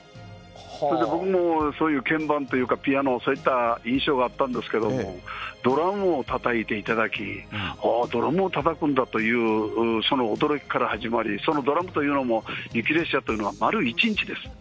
それで僕もそういう鍵盤というか、そういうピアノ、そういった印象があったんですけども、ドラムをたたいていただき、あぁ、ドラムもたたくんだという、その驚きから始まり、そのドラムというのも、雪列車というのは丸一日です。